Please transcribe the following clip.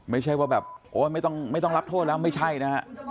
ไม่ใช่ว่าแบบโอ๊ยไม่ต้องรับโทษแล้วไม่ใช่นะฮะ